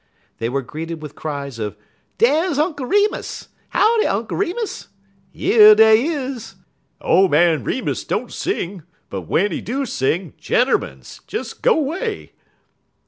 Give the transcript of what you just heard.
They were greeted with cries of "Dar's Unk Remus!" "Howdy, Unk Remus!" "Yer dey is!" "Ole man Remus don't sing; but w'en he do sing gentermens! des go 'way!"